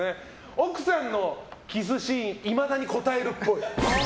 奥さんのキスシーンいまだにこたえるっぽい。